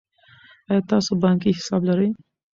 آیا تاسو بانکي حساب لرئ.